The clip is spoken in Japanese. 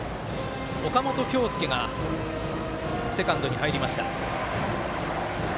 岡本京介がセカンドに入りました。